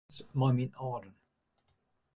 Ik wenje op in pleats mei myn âlden.